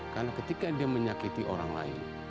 karena ketika dia menyakiti orang lain